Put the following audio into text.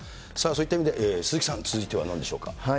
そういった意味で鈴木さん、続いては何でしょうか。